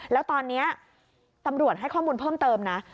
แล้วตอนนี้ตำรวจให้ข้อมูลเพิ่มเติมนะ